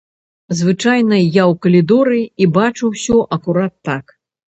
Звычайна я ў калідоры і бачу ўсё акурат так.